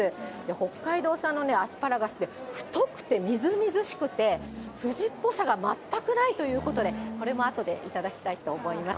北海道産のアスパラガスって、太くてみずみずしくて、筋っぽさが全くないということで、これもあとで頂きたいと思います。